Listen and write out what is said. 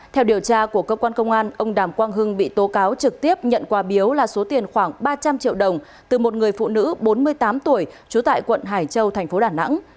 theo điều tra của cơ quan công an ông đàm quang hưng bị tố cáo trực tiếp nhận quà biếu là số tiền khoảng ba trăm linh triệu đồng từ một người phụ nữ bốn mươi tám tuổi trú tại quận hải châu thành phố đà nẵng